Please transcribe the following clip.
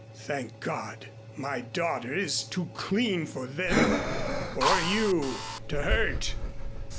Thank God, my daughter is too clean for them or you to hurt.